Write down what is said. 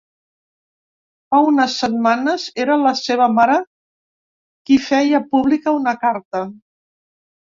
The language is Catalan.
Fa unes setmanes, era la seva mare qui feia pública una carta.